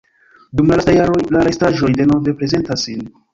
Dum la lastaj jaroj la restaĵoj denove prezentas sin.